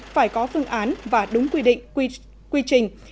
phải có phương án và đúng quy định quy trình